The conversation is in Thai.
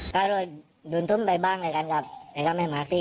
การรวดดูนทุ่มไปบ้างแล้วกันกับแม่งมาร์คตี้